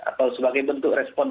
atau sebagai bentuk responsif